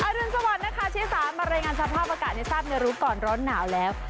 รุนสวัสดิ์นะคะชิสามารายงานสภาพอากาศให้ทราบในรู้ก่อนร้อนหนาวแล้ว